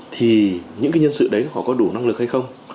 thì những cái nhân sự đấy họ có đủ năng lực hay không